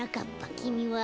きみは？